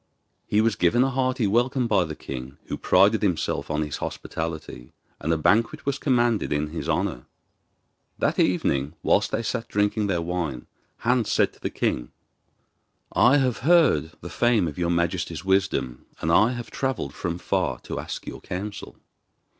He was given a hearty welcome by the king, who prided himself on his hospitality, and a banquet was commanded in his honour. That evening, whilst they sat drinking their wine, Hans said to the king: 'I have heard the fame of your majesty's wisdom, and I have travelled from far to ask your counsel.